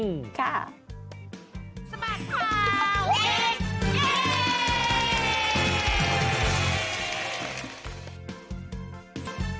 สบัดข่าวเด็กเย้